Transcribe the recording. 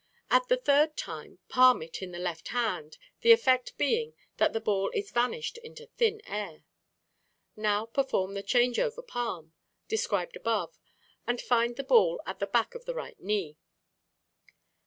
At the third time palm it in the left hand, the effect being that the ball is vanished into thin air. Now perform the "Change over Palm" described above, and find the ball at the back of the right knee.